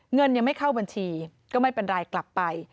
เงินยังไม่เข้าบัญชีก็ไม่เป็นไรกลับไป